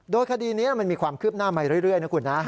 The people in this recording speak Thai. โดยคดีนี้มันมีความคืบหน้ามาเรื่อยนะคุณนะ